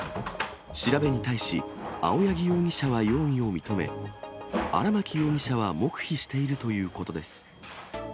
調べに対し、青柳容疑者は容疑を認め、荒巻容疑者は黙秘しているということです。